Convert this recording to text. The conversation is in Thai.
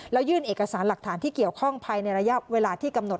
แล้วยื่นเอกสารหลักฐานที่เกี่ยวข้องภายในระยะเวลาที่กำหนด